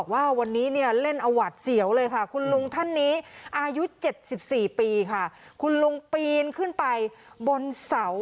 มาร้องเรียนแต่ยังไงก็แล้วแต่นะครับคุณลุงลงมาคุยกับผมก่อนได้ไหมครับ